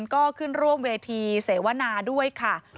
ก็ขึ้นร่วมเวทีเสวนาด้วยค่ะ